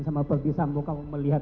sama berbisamu kamu melihat